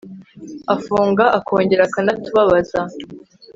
afunga akongera akanatubabaza